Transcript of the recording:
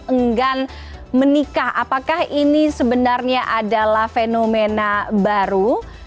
enggan menikah apakah ini sebenarnya adalah fenomena baru